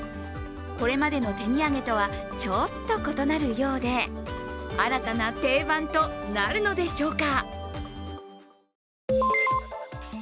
これまでの手土産とはちょっと異なるようで、新たな定番となるのでしょうか。